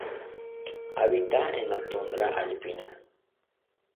Habita en la tundra alpina.